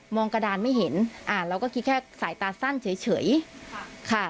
งกระดานไม่เห็นอ่าเราก็คิดแค่สายตาสั้นเฉยค่ะ